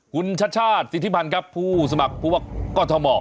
คุณชัดชาติติธิพันครับผู้สมัครพี่ว่าก็ทหมอ